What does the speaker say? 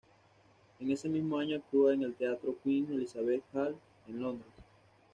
En ese mismo año actúa en el teatro Queen Elizabeth Hall en Londres.